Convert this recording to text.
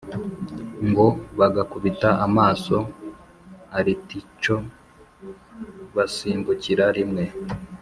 ngo bagakubita amaso artichaut basimbukira rimwe